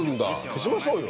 消しましょうよ？